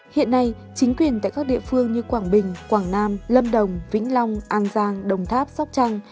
hiện nay chính quyền tại các địa phương như quảng bình quảng nam lâm đồng vĩnh long an giang đồng tháp sóc trăng